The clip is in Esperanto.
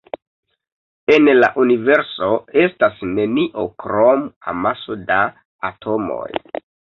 En la universo estas nenio krom amaso da atomoj.